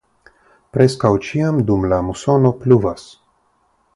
Preskaŭ ĉiam dum la musono pluvas.